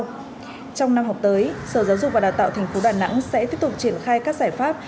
trong năm học tới sở giáo dục và đào tạo tp đà nẵng sẽ tiếp tục triển khai các giải pháp